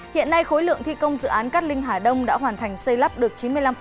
hiện nay khối lượng thi công dự án cát linh hà đông đã hoàn thành xây lắp được chín mươi năm